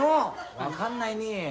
分かんないね。